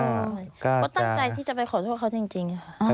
มก็ตั้งใจที่จะไปขอโทษเขาจริงจริงแล้วอะ